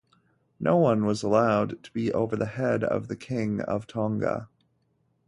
No one was allowed to be over the head of the king of Tonga.